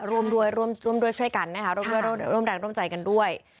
ร่วมด้วยร่วมด้วยช่วยกันนะคะร่วมแรงร่วมใจกันด้วย